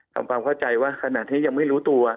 ทำความเข้าใจว่าขณะที่ยังไม่รู้ตัว